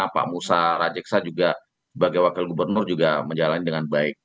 pak musa rajeksa juga sebagai wakil gubernur juga menjalani dengan baik